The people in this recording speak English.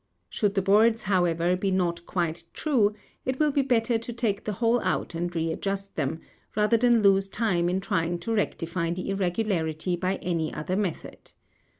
Should the boards however be not quite true, it will be better to take the whole out and readjust them, rather than lose time in trying to rectify the irregularity by any other method.